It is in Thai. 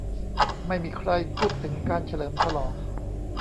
ไม่มีใครพูดถึงการเฉลิมฉลอง